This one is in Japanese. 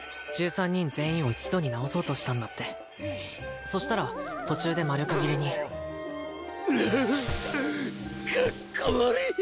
１３人全員を一度に治そうとしたんだってそしたら途中で魔力切れにカッコ悪い！